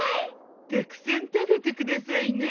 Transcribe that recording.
たくさん食べてくださいね。